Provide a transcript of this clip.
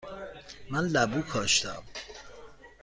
من لبو کاشتم.